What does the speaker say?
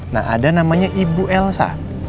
nah ada namanya ibu elsa